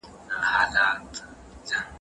ښه فکرونه انسان د بدو فکرونو په پرتله ډېر اراموي.